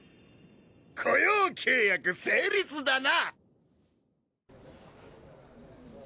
雇用契約成立だな。